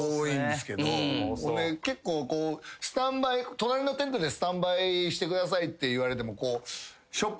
隣のテントでスタンバイしてくださいって言われてもこう。